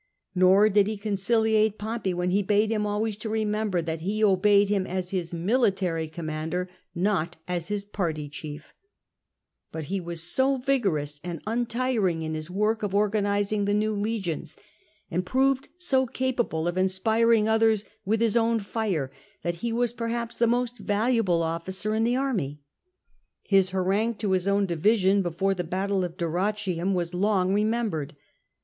Nor did he conciliate Pompey when he bade him always to remember that he obeyed him as his military commander, not as his party chief, But he was so vigorous and untiring in his work of organising the new legions, and proved so capable of inspiring others with his own fire, that he was perhaps the most valuable oflScer in the army. His harangue to his own division before the battle of Dyrrhachium was long remembered.